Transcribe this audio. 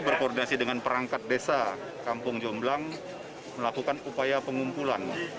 berkoordinasi dengan perangkat desa kampung jomblang melakukan upaya pengumpulan